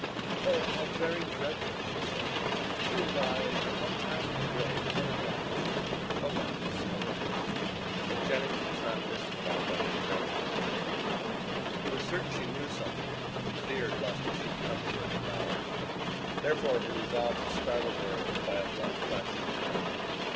"Oh, how very dreadful," she said, "she will lie in her untimely grave, unavenged. Alas! Alas!" But Jennings was not mystified by her tragic airs. He was certain she knew something and feared lest it should come to his knowledge. Therefore he resolved to startle her by a blunt question.